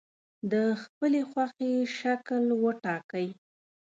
د خپلې خوښې شکل وټاکئ.